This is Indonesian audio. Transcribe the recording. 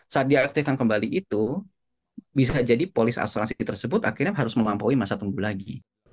saat diaktifkan kembali itu bisa jadi polis asuransi tersebut akhirnya harus melampaui masa tunggu lagi